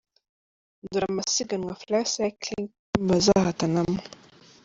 Dore amasiganwa Flyv Cycling Team bazahatanamo:.